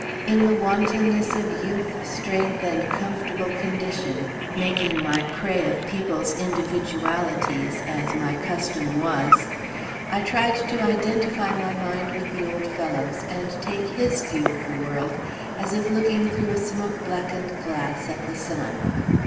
In the wantonness of youth, strength, and comfortable condition, making my prey of people's individualities, as my custom was, I tried to identify my mind with the old fellow's, and take his view of the world, as if looking through a smoke blackened glass at the sun.